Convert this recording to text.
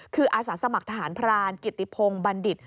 คืออสสมกฐานพรานกิตติพงษ์บัณดิษฐ์